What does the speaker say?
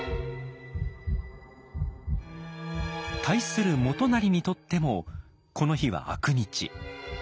対する元就にとってもこの日は悪日。